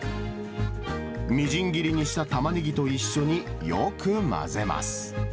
みじん切りにしたたまねぎと一緒によく混ぜます。